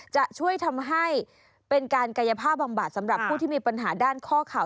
จะช่วยทำให้เป็นการกายภาพบำบัดสำหรับผู้ที่มีปัญหาด้านข้อข่าว